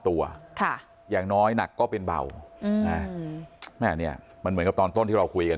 ตัวค่ะอย่างน้อยหนักก็เป็นเบาอืมนะแม่เนี่ยมันเหมือนกับตอนต้นที่เราคุยกัน